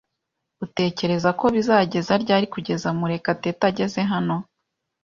Utekereza ko bizageza ryari kugeza Murekatete ageze hano?